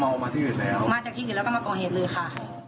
ออกมาที่อื่นแล้วมาจากที่อื่นแล้วก็มาก่อเหตุเลยค่ะ